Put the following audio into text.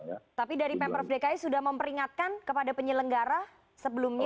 tapi dari pemprov dki sudah memperingatkan kepada penyelenggara sebelumnya